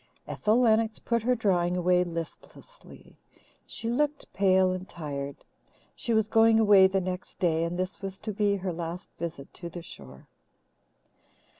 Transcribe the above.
Ethel Lennox put her drawing away listlessly. She looked pale and tired. She was going away the next day, and this was to be her last visit to the shore.